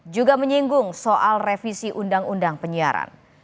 juga menyinggung soal revisi undang undang penyiaran